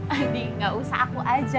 aduh gak usah aku aja